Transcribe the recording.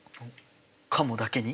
カモだけに。